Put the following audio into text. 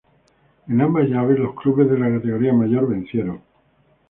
En ambas llaves, los clubes de la categoría mayor vencieron.